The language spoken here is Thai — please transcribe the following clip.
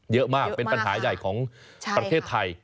เยอะมากเป็นปัญหาใหญ่ของประเทศไทย